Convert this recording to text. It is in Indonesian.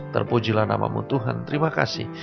terpujilah namamu tuhan terima kasih